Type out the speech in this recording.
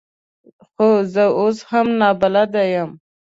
خو زه اوس هم نابلده یم .